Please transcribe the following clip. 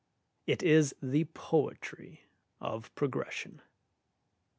It is the poetry of progression.